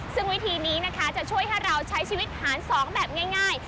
ซึ่งวิธีนี้นะคะจะช่วยให้เราใช้ชีวิตหาร๒แบบง่าย